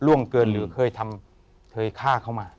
ล่วงเกินหรือเคยทำเคยฆ่าเขามา